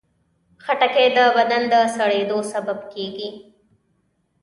خټکی د بدن د سړېدو سبب کېږي.